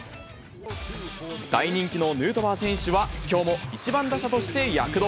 大人気のヌートバー選手は、きょうも１番打者として躍動。